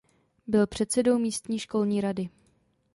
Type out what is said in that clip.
Byl předsedou místní školní rady.